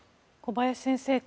小林先生